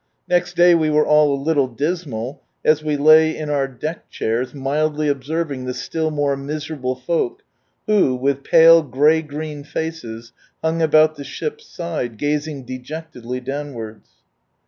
Next day we were all a little dismal, we lay in our deck chairs, mildly observing the still more miserable folk, who, with pale grey green faces, hung about the ship's side, gazing dejectedly downwards.